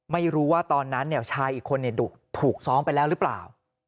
ไม่รู้ว่าตอนล้านแนวชายอีกคนในถุกทุกซ้องไปแล้วรึเปล่า